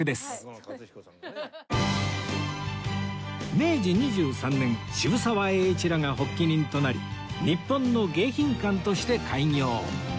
明治２３年渋沢栄一らが発起人となり日本の迎賓館として開業